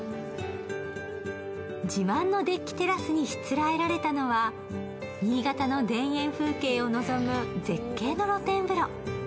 自慢のデッキテラスにしつらえられたのは新潟の田園風景を臨む絶景の露天風呂。